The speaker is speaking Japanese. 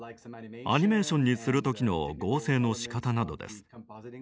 アニメーションにする時の合成のしかたなどです。